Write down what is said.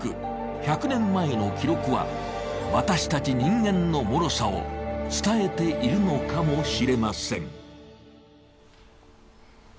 １００年前の記録は私たち人間のもろさを伝えているのかもしれません。